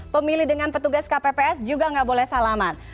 pemilih dengan petugas kpps juga nggak boleh salaman